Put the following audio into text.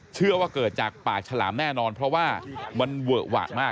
เชื่อว่าเกิดจากป่าฉลามแน่นอนเพราะว่ามันเวอะหวะมาก